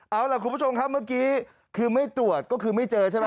เอาล่ะคุณผู้ชมครับเมื่อกี้คือไม่ตรวจก็คือไม่เจอใช่ไหม